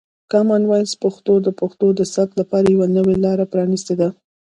کامن وایس پښتو د پښتو د ثبت لپاره یوه نوې لاره پرانیستې ده.